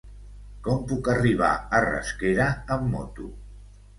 Com puc arribar a Rasquera amb moto?